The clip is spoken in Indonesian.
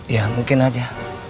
ya mungkin aja